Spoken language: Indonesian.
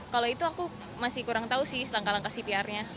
kalau itu aku masih kurang tahu sih langkah langkah cpr nya